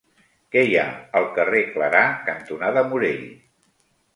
Què hi ha al carrer Clarà cantonada Morell?